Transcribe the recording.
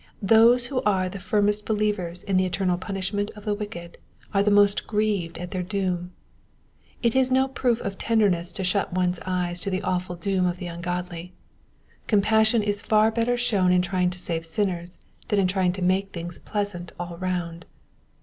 Those who are the firmest believers in the eternal punishment of the wicked are the most grieved at their doom. It is no proof of tenderness to shut one's eyes to the awful doom of the ungodly. Compassion is far better shown in trying to save sinners than in trying to make things pleasant all round.